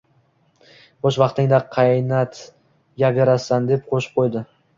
Bo`sh vaqtingda qatnayverasan, deb qo`shib qo`ydi